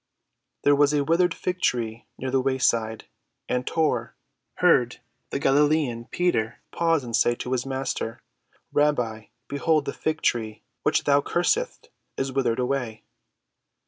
There was a withered fig‐tree near the wayside, and Tor heard the Galilean, Peter, pause and say to his Master, "Rabbi, behold the fig‐tree which thou cursedst is withered away."